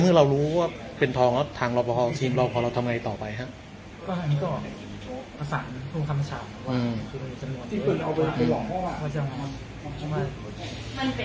เรารู้ว่าเป็นทองแล้วทางรอปภทีมรอพอเราทำไงต่อไปครับ